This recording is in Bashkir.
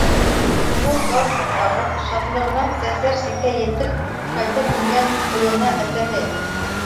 Ҡыҙыл галстук тағып, шатлығынан сәсәр сиккә етеп ҡайтып ингән улына әсәһе: